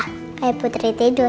kayak putri tidur